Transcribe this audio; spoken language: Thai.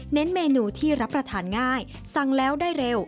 เมนูที่รับประทานง่ายสั่งแล้วได้เร็ว